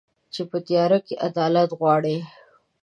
چي په تیاره کي عدالت غواړي